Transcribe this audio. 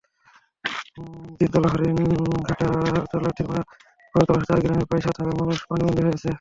জিনতলা, হরিণঘাটা, চরলাঠিমারা, বাদুরতলাসহ চার গ্রামের প্রায় সাত হাজার মানুষ পানিবন্দী রয়েছে।